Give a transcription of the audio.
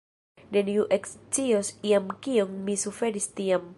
Neniu ekscios iam kion mi suferis tiam.